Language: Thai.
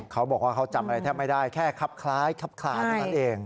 เขาบอกว่าเขาจำอะไรแทบไม่ได้แค่คับคล้ายคับคลาเท่านั้นเอง